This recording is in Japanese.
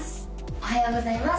おはようございます